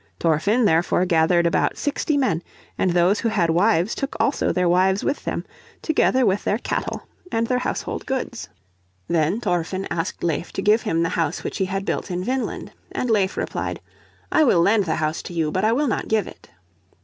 Thorfinn therefore gathered about sixty men, and those who had wives took also their wives with them, together with their cattle and their household goods. Then Thorfinn asked Leif to give him the house which he had built in Vineland. And Leif replied, "I will lend the house to you, but I will not give it."